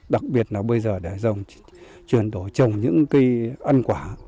đặc biệt là bây giờ để dòng truyền đổi trồng những cái ăn quả